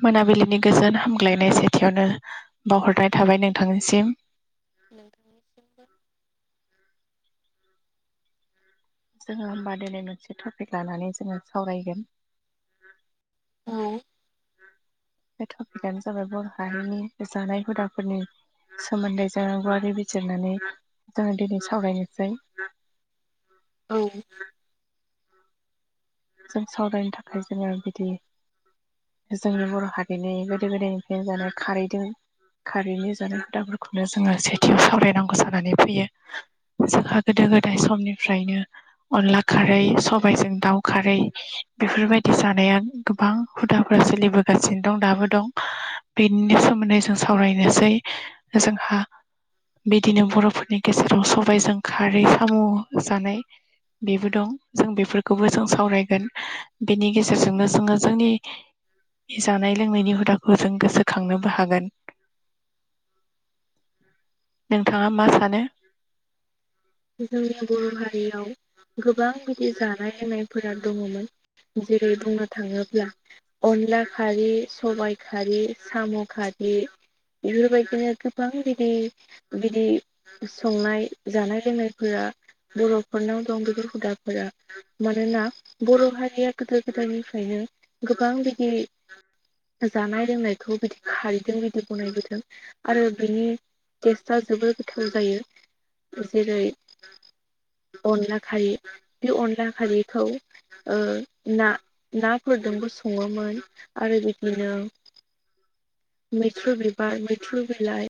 मोनाबिलिनि गोजोन हामग्लायनाय सेथियावनो बावहरनाय थाबाय नोंथांनिसिम नोंथांनिसिमबो जोङो होमबा दिनै मोनसे टपिक लानानै जोङो सावरायगोन। औ बे टपिकआनो जाबाय बर' हारिनि जानाय हुदाफोरनि सोमोन्दै जों गुवारारि बिजिरनानै जोङो दिनै सावरायनोसै औ जों सावरायनो थाखाय जोङो बिदि जोंनि बर' हारिनि गोदो गोदायनिफ्रायनो जानाय खारैदों। खारैनि जानाय खुदाफोरखौनो जोङो सेथियाव सावरायनांगौ जानानै फैयो। जोंहा गोदो गोदाय समनिफ्रायनो अनला खारै, सबायाइजों दाउ खारै बेफोरबायदि जानाया गोबां हुदाफोरा सोलिबोगासिनो दं दाबो दं बेनि सोमोन्दै जों सावरायनोसै जोंहा बिदिनो बर'फोरनि गेजेराव सबाइजों खारै साम' जानाय बेबो दं जों बेफोरखौबो जों सावरायगोन बिनि गेजेरजोंनो जोङो जोंनि बे जानाय लोंनायनि हुदाखौ जों गोसोखांनोबो हागोन। नोंथाङा मा सानो जोंनि बर' हारियाव गोबां बिदि जानाय लोंनायफोरा दङमोन। जेरै बुंनो थाङोब्ला अनला खारै, सबायाइ खारै, साम' खारै बेफोरबायदिनो गोबां बिदि बिदि संनाय जानाय फोरा बर'फोरनाव दं बेफोर हुदाफोरा मानोना बर' हारिया गोदो गोदायनिफ्रायनो गोबां बिदि जानाय लोंनायखौ बिदि खारैदों बिदि [unintelligible] आरो बिनि टेस्टआ जोबोर गोथाव जायो अनला खारि बे अनला खारिखौ ओ ना नाफोरजोंबो सङोमोन आरो बिदिनो मैथु् बिबार मैथुर बिलाइ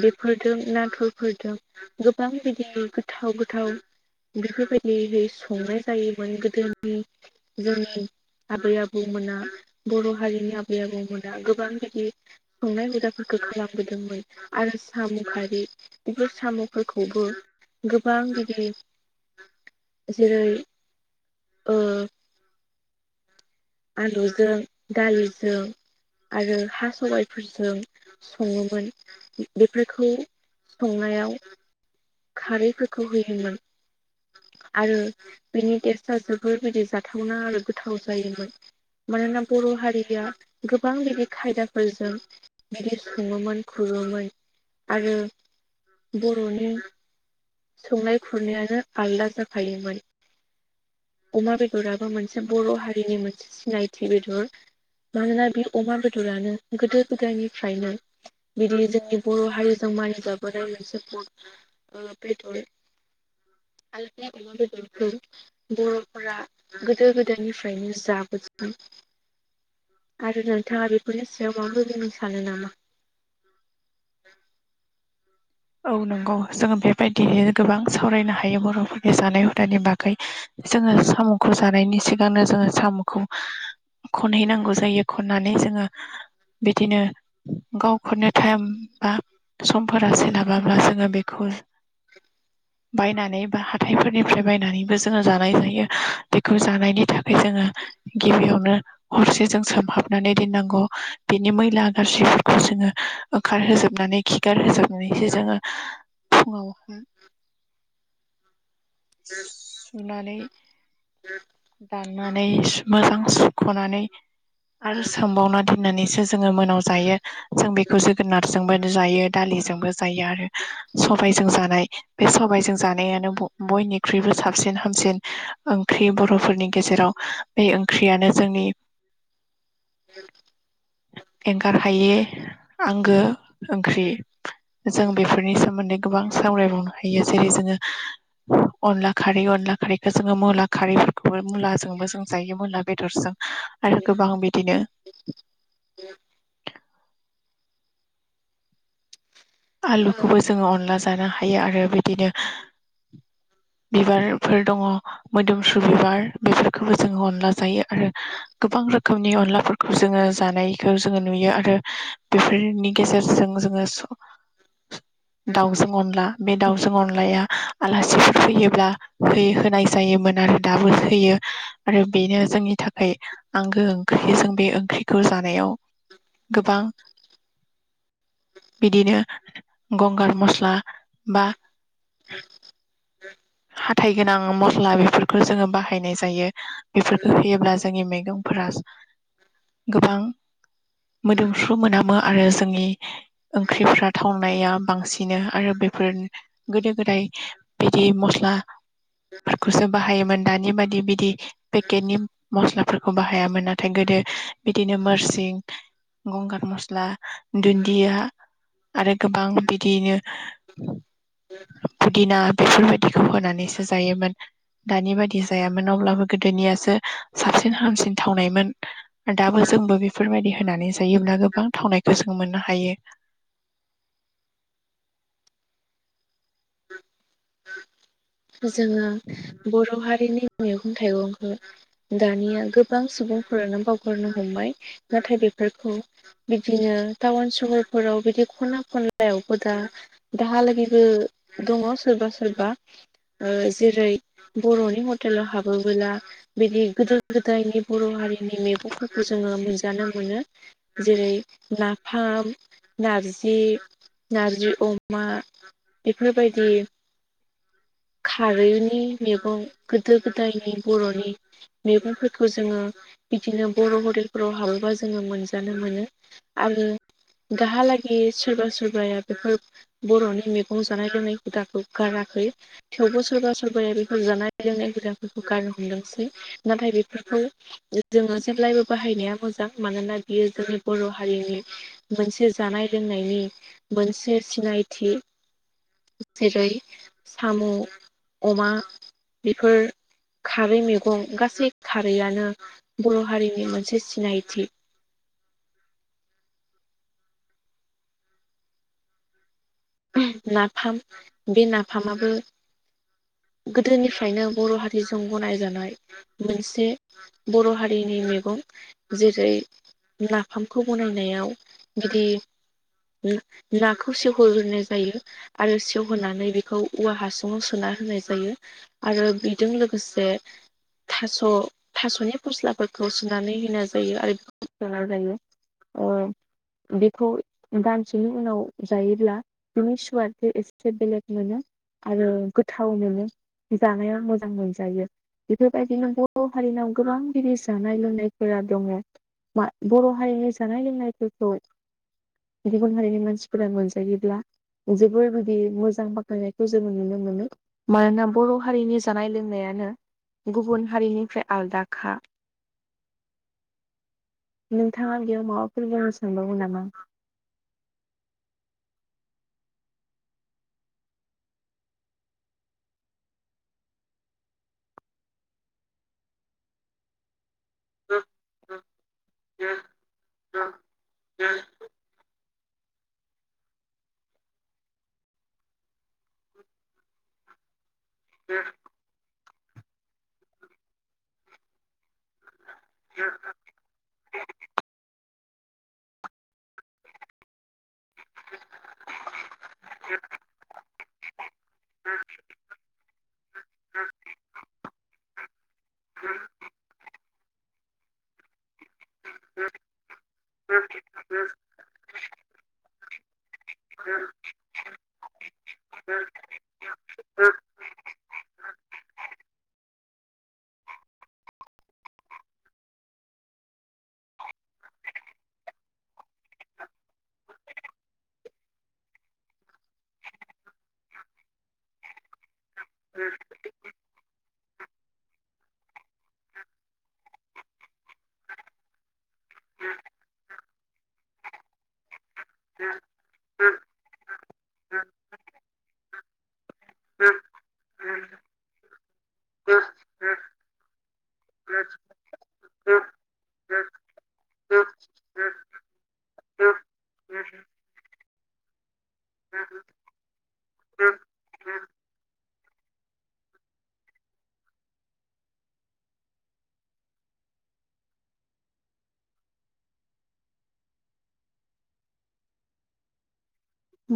बेफोरजों नाथुरफोरजों गोबां बि गोथाव गोथाव बेफोरबायदिै संनाय जायोमोन गोदोनि जोंनि आबै आबौमोना बर' हारिनि आबै आबौमोन। गोबां बिदि संनाय हुदाफोरखौ खालामबोदोंमोन आरो सामु खारि बेफोर साम'फोरखौबो गोबां गिदिर जेरै ओ आलुजों दालिजों आरो हा सबाइफोरजों सङोमोन बेफोरखौ संनायाव खारैफोरखौ होयोमोमोन। आरो बिनि टेस्टआ जोबोरबायदि जाथावना आरो गोथाव जायोमोन। मानोना बर' हारिया गोबां बिदि खायदाफोरजों बिदि सङोमोन खुरोमोन आरो बर'नि संनाय खुरनायानो आलादा जाखायोमोन। अमा बेदराबो मोनसे बर' हारिनि मोनसे सिनायथि बेदर मानोना बे अमा बेदरानो गोदो गोदायनिफ्रायनो बिदि जोंनि बर' हारिजों मानिजाबोनाय मोनसे पद [unintelligible] बर'फोरा गोदो गोदायनिफ्रायनो जाबोदों। [inaudible] आरो नोंथाङा बेफोरनि सायाव माबाफोर बुंनो सानो नामा? औ नंगौ जों बे बायदिनो गोबां सावरायनो हायो बर'फोरनि जानाय हुदानि बागै। जोङो साम'खौ जानायनि सिगांनो जोङो साम'खौ खनहैनांगौ जायो खननानै जोङो बिदिनो गावखौनो टाइम बा समफोरा सोलाबाबा जोङो बेखौ बायनानै बा हाथायफोरनिफ्राय बायनानैबो जोङो जानाय जायो बेखौ जानायनि थाखाय जोङो गिबियावनो हरसे जों सोमहाबनानै दोननांगौ बिनि मैला गाज्रिफोरखौ जोङो ओंखारहोजोबनानै खिगार होजोब नानैसो जोङो फुङाव सुनानै [inaudible] दाननानै सु मोजां सुख'नानै आरो सोमबावना दोन नानैसो जोङो मोनायाव जायो जों बेखौ जोगोनारजोंबो जायो दालिजोंबो जायो आरो। सबाइजों जानाय बे सबाइजों जानायानो ब' बयनिख्रुइबो साबसिन हामसिन ओंख्रि बर'फोरनि गेजेराव बे ओंख्रियानो जोंनि एंगार हायै आंगो ओंख्रि जों बेफोरनि सोमोन्दै गोबां सावरायबावनो हायो जेरै जोङो अनला खारै अनला खारैखौ जोङो मुला खारैफोरखौबो मुलाजोंबो जों जायो मुला बेदरजों। आरो गोबां बिदिनो आलुखौबो जोङो अनला जानो हायो आरो बिदिनो बिबारफोर दङ'। मोदोम सु बिबार बेफोरखौबो जों अनला जायो आरो गोबां रोखोमनि अनलाफोरखौ जोङो जानायखौ जोङो नुयो आरो बेफोरनि गेजेरजोंबो जोङो स दाउजों अनला बे दाउजों अनलाया आलासिफोर फैयोब्ला होयो होनाय जायोमोन आरो दाबो होयो आरो बेनो जोंनि थाखाय आंगो ओंख्रिजों बे ओंख्रिखौ जानायाव गोबां बिदिनो गंगार मस्ला बा [inaudible] हाथाय गोनां मस्ला बेफोरखौ जोङो बाहायनाय जायो। बेफोरखौ होयोब्ला जोंनि मैगंफोरा गोबां मोदोमफ्रु मोनामो आरो जोंनि ओंख्रिफ्रा थाव नाया बांसिनो आरो बेफोर गोदो गोदाय बिदि मस्ला फोरखौसो बाहायोमोन दानि बादि बिदि पेकेटनि मस्लाफोरखौ बाहायामोन नाथाय गोदो बिदिनो मोरसिं गंगार मस्ला, दुन्दिया आरो गोबां बिदिनो पुदिना बेफोरबाय दिखौ होनानैसो जायोमोन दानि बादि जायामोन अब्लाबो गोदोनियासो साबसिन हामसिन थावनायमोन दाबो जोंबो बे बेफोरबायदि होनानै जायोब्ला गोबां थावनायखौ जों मोननो हायो। जोङो बर' हारिनि मैगं थाइगंखौ दानिया गोबां सुबुंफोरानो बावगारनो हमबाय नाथाय बेफोरखौ बिदिनो टाउन सहरफोराव बिदि खना खनलायावबो दा दाहालागिबो दङ सोरबा सोरबा जेरै बर'नि हटेलाव हाबोबोला बिदि गोदो गोदायनि बर' हारिनि मैगंफोरखौ जोङो मोनजानो मोनो। जेरै नाफाम नारजि नारजि अमा बेफोरबायदि। खारैनि मेगं गोदो गोदायनि बर'नि मेगंफोरखौसो जोङो बिदिनो बर' हटेलफोराव हाबोबा जोङो मोनजानो मोनो आरो दाहालागि सोरबा सोरबाया बेफोर बर'नि मेगं जानाय लोंनाय हुदाखौ गाराखै। थेवबो सोरबा सोरबाया बेफोर जानाय लोंनाय हुदाफोरखौ गारनो हमदोंसै नाथाय बेफोरखौ जोङो जेब्लायबो बाहायनाया मोजां मानोना बियो जोंनि बर' हारिनि मोनसे जानाय लोंनायनि मोनसे सिनायथि। जेरै साम' अमा बेफोर खारै मैगं गासै खारैआनो बर' हारिनि मोनसे सिनायथि। [inaudible] नाफाम बे नाफामाबो गोदोनिफ्रायनो बर' हारिजों गनायजानाय मोनसे बर' हारिनि मैगं जेरै ला फ्खौ बनायनायाव बिदि नाखौ सेहरग्रोनो जायो आरो सेवहोनानै बेखौ औवा हासुङाव सोना होनाय जायो। आरो बेजों लोगोसे थास' थास'नि फस्लाफोरखौ सुनानै होनाय जायो आरो बेफोरखौलार लायो। बेखौ दानसेनि उनाव जायोब्ला दिै सवार्थ एसे बेलग मान। आरो गोथाव मोनो जानाया मोजां मोनजायो। बेफोरबायदिनो बर' हारिनाव गोबांगिरिद जानाय लोंनायफोरा दङ। मा बर' हारिनि जानाय लोंनायफोरखौ बि गुबुन हारिनि मानसिफोरा मोनजायोब्ला जोबोरबायाददि मोजां बाख्नायनायखौ जोङो नुनो मोनो। मानोना बर' हारिनि जानाय लोंनायानो गुबुन हारिनिफ्राय आलादाखा। नोंथाङा बेयाव माबाफोर गाह सोंबावो नामा? द द दे [unintelligible] द [unintelligible] ए [unintelligible] [unintelligible] [unintelligible] [unintelligible] [unintelligible] ह [inaudible] बर'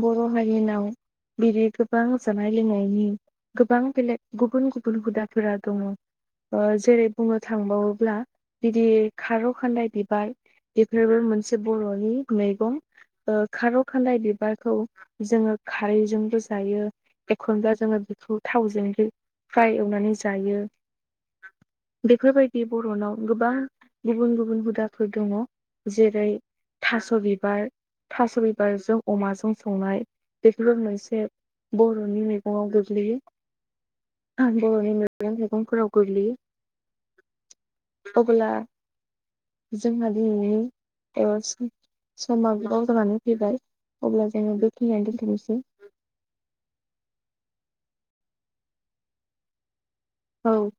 बर' हारिनाव बिदि गोबां जानाय लोंनायनि गोबां बेलेग गुबुन गुबुन हुदाफोरा दङ। जेरै बुंनो थांबावोब्ला बिदि खारौ खान्दाय बिबाय बेफोरबो मोनसे बर'नि मैगं खारौ खान्दाय बिबार खौ जोङो खारैजोंबो जायो एखनब्लाा जोङो बेखौ थावजों फ्राय एवनानै जायो। बेफोरबायदि बर'नाव गोबां गुबुन गुबुन हुदाफोर दङ। जेरै थास' बिबार थास' बिबारजों अमाजों संनाय बेफोरबोंसे बर'नि मैगङाव गोग्लैयो। [unintelligible] मैगंफोराव गोग्लैयो। अब्ला जोंहा दिनैनि एबा समा गोबां जानानै फैबाय अब्ला जोङो बेखियावनो दोन्थ'नोसै औ